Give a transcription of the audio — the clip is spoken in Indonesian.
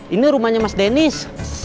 ini rumahnya mas dennis